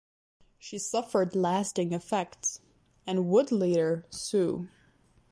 She suffered lasting effects, and would later sue.